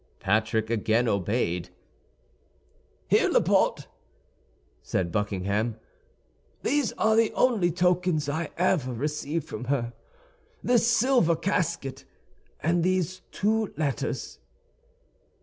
Patrick again obeyed. "Here, Laporte," said Buckingham, "these are the only tokens I ever received from her—this silver casket and these two letters.